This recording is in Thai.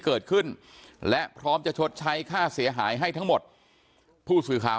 เกิดขึ้นและพร้อมจะชดใช้ค่าเสียหายให้ทั้งหมดผู้สื่อข่าว